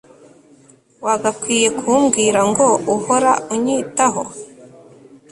wagakwiye kumbwira ngo uhora unyitaho